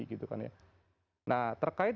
gitu kan ya nah terkait